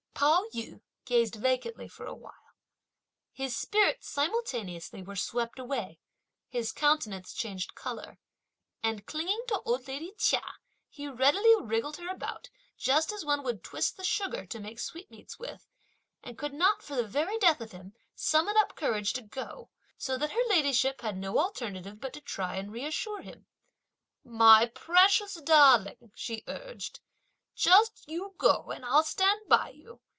Pao yü gazed vacantly for a while. His spirits simultaneously were swept away; his countenance changed colour; and clinging to old lady Chia, he readily wriggled her about, just as one would twist the sugar (to make sweetmeats with), and could not, for the very death of him, summon up courage to go; so that her ladyship had no alternative but to try and reassure him. "My precious darling" she urged, "just you go, and I'll stand by you!